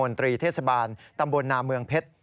นายยกเทศมนตรีเทศบาลตำบลนามเมืองเพชร